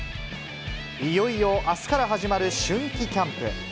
いよいよ、あすから始まる春季キャンプ。